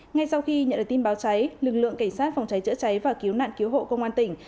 ngay sau khi nhận được tin báo cháy lực lượng cảnh sát phòng cháy chữa cháy và cứu nạn cứu hộ công an tỉnh